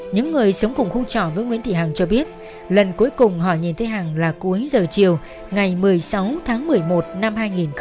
những người sống cùng khu trò với nguyễn thị hằng cho biết lần cuối cùng họ nhìn thấy hàng là cuối giờ chiều ngày một mươi sáu tháng một mươi một năm hai nghìn một mươi tám